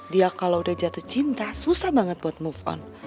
dia kalau udah jatuh cinta susah banget buat move on